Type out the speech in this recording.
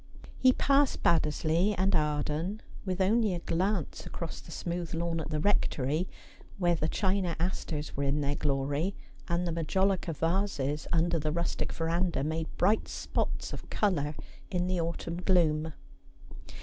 He passed Baddesley and Arden, with only a glance across the smooth lawn at the Rectory, where the china asters were in their glory, and the majolica vases under the rustic verandah made bright spots of colour in the autumn gloom.